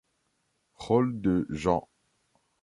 Rôle de Jean.